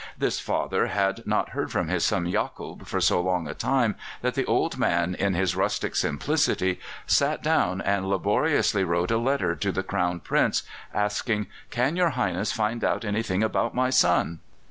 This father had not heard from his son Jacob for so long a time that the old man, in his rustic simplicity, sat down and laboriously wrote a letter to the Crown Prince, asking, "Can Your Highness find out anything about my son?"